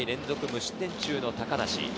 無失点中の高梨。